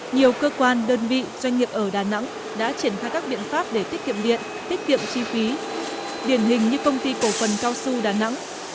nhiều cơ quan đơn vị doanh nghiệp ở đà nẵng đã triển khai các biện pháp để tiết kiệm điện tiết kiệm chi phí điển hình như công ty cổ phần cao xu đà nẵng